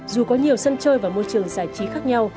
dù có nhiều sân chơi và môi trường giải trí khác nhau